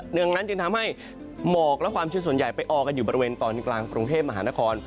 ดังนั้นจึงทำให้หมอกและความชื้นส่วนใหญ่ไปออกันอยู่บริเวณตอนกลางกรุงเทพมหานคร